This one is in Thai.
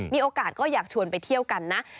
มีโอกาสก็อยากชวนไปเที่ยวกันนะ